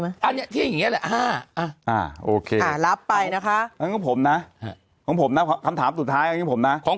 ในจะที่อย่างนี้แหละคำถามสุดท้ายของ